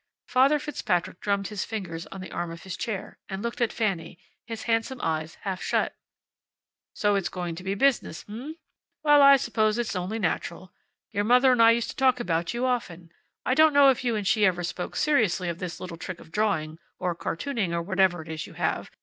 Father Fitzpatrick drummed with his fingers on the arm of his chair, and looked at Fanny, his handsome eyes half shut. "So it's going to be business, h'm? Well, I suppose it's only natural. Your mother and I used to talk about you often. I don't know if you and she ever spoke seriously of this little trick of drawing, or cartooning, or whatever it is you have.